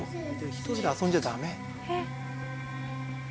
一人で遊んじゃダメ。